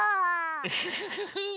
ウフフフフ。